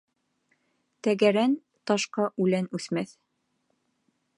Тәгәрән ташҡа үлән үҫмәҫ.